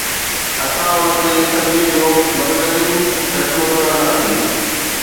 اسان ان کي صدي جو بدترين فيصلو چونداسون